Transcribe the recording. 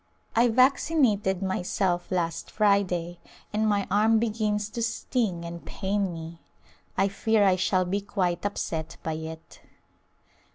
I vaccinated myself last Friday and my arm begins to sting and pain me. I fear I shall be quite upset by it.